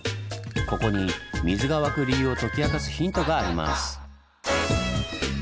ここに水が湧く理由を解き明かすヒントがあります。